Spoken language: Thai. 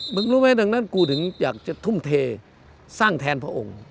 รู้ไหมดังนั้นกูถึงอยากจะทุ่มเทสร้างแทนพระองค์